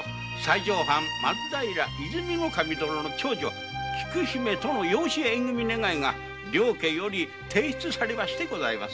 松平和泉守殿の長女菊姫との養子縁組み願いが両家より提出されましてございます。